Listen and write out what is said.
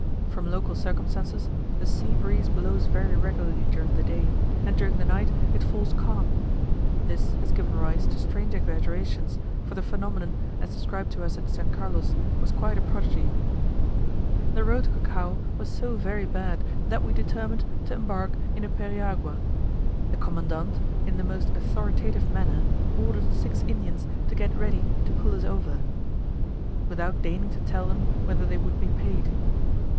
From local circumstances, the sea breeze blows very regularly during the day, and during the night it falls calm: this has given rise to strange exaggerations, for the phenomenon, as described to us at S. Carlos, was quite a prodigy. The road to Cucao was so very bad that we determined to embark in a periagua. The commandant, in the most authoritative manner, ordered six Indians to get ready to pull us over, without deigning to tell them whether they would be paid.